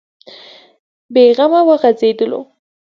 بې غمه وغځېدلو.